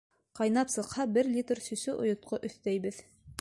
Ҡайнап сыҡһа, бер литр сөсө ойотҡо өҫтәйбеҙ.